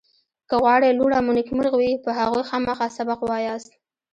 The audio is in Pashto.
که غواړئ لوڼه مو نېکمرغ وي په هغوی خامخا سبق ووایاست